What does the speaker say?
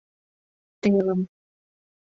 Телым.